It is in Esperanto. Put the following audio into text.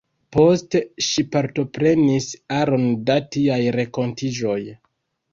Poste ŝi partoprenis aron da tiaj renkontiĝoj.